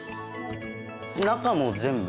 中も全部？